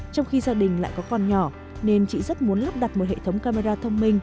trong khi gia đình lại có con nhỏ nên chị rất muốn lắp đặt một hệ thống camera thông minh